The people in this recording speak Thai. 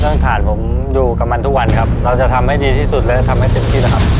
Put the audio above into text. ฐานผมอยู่กับมันทุกวันครับเราจะทำให้ดีที่สุดและทำให้เต็มที่นะครับ